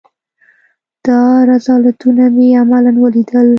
دا رذالتونه مې عملاً وليدل.